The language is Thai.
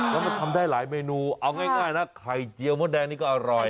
แล้วมันทำได้หลายเมนูเอาง่ายนะไข่เจียวมดแดงนี่ก็อร่อย